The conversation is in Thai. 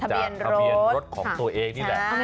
จากทะเบียนรถของตัวเองนี่แหละ